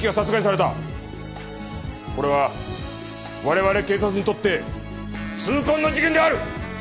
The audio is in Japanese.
これは我々警察にとって痛恨の事件である！